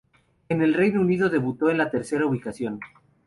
En el Reino Unido debutó en la tercera ubicación.